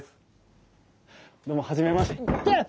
どうも初めましていてっ！